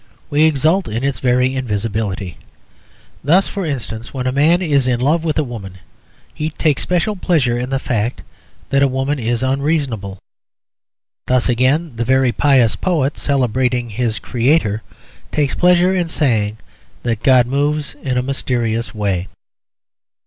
We exult in its very invisibility. Thus, for instance, when a man is in love with a woman he takes special pleasure in the fact that a woman is unreasonable. Thus, again, the very pious poet, celebrating his Creator, takes pleasure in saying that God moves in a mysterious way.